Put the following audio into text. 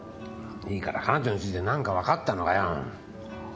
いいから彼女について何かわかったのかよ。